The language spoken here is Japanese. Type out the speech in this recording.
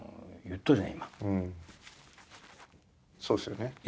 そうですよね。